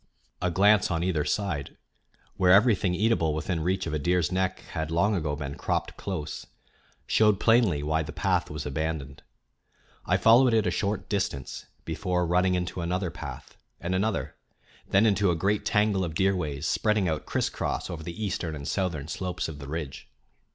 A glance on either side, where everything eatable within reach of a deer's neck had long ago been cropped close, showed plainly why the path was abandoned. I followed it a short distance before running into another path, and another, then into a great tangle of deer ways spreading out crisscross over the eastern and southern slopes of the ridge.